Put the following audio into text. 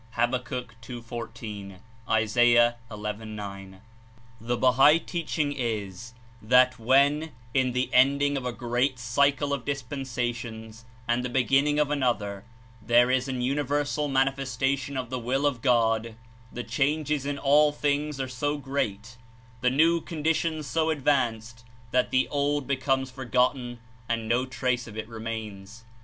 * (Hab. 2.14; Is. II. 9.) The Bahai teaching is that when, in the ending of a great cycle of dispensations and the beginning of an other, there is an Universal Manifestation of the Will of God, the changes in all things are so great, the new conditions so advanced, that the old becomes forgotten and no trace of it remains.